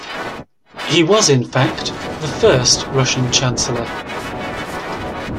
He was, in fact, the first Russian chancellor.